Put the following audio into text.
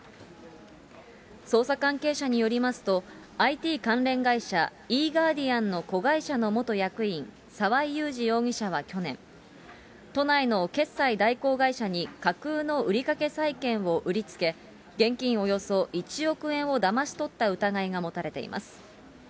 捜査関係者によりますと、ＩＴ関連会社、イー・ガーディアンの子会社の元役員、沢井祐史容疑者は去年、都内の決済代行会社に架空の売掛債権を売りつけ、現金およそ１億円をだまし取った疑いが持たれています。